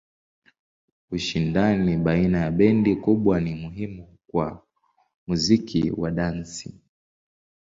Ushindani baina ya bendi kubwa ni muhimu kwa muziki wa dansi.